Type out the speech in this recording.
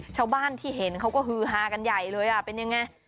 ชาวบ้านที่เห็นเขาก็ฮือฮากันใหญ่เลยเป็นยังไง